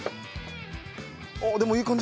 あっでもいい感じに。